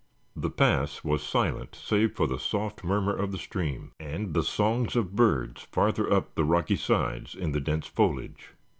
The pass was silent save for the soft murmur of the stream and the songs of birds farther up the rocky sides in the dense foliage.